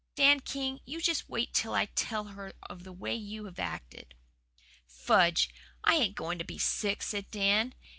Dan King, you just wait till I tell her of the way you've acted." "Fudge! I ain't going to be sick," said Dan.